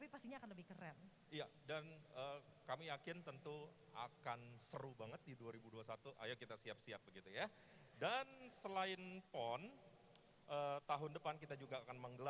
pon ke sembilan di kota bandung